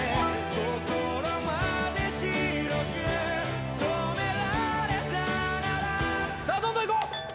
心まで白く染められたならさあどんどんいこう！